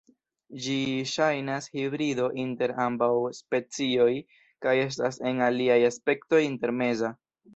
Ĝi ŝajnas hibrido inter ambaŭ specioj, kaj estas en aliaj aspektoj intermeza.